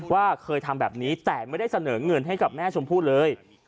ว่าเคยทำแบบนี้แต่ไม่ได้เสนอเงินให้กับแม่ชมพู่เลย